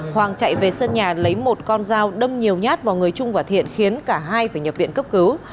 hoàng chạy về sân nhà lấy một con dao đâm nhiều nhát vào người trung và thiện khiến cả hai phải nhập viện cấp cứu